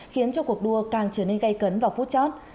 khiến cho cuộc đua càng trở nên gây cấn vào phút chót